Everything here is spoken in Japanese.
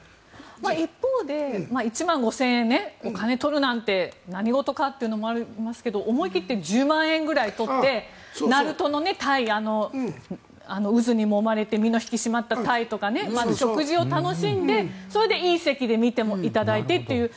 一方で１万５０００円お金取るなんて何事かというのもありますが思い切って１０万円くらい取って鳴門のタイ渦にもまれて身の引き締まったタイとか食事を楽しんで、それでいい席で見ていただいてという。